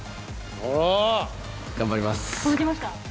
頑張ります。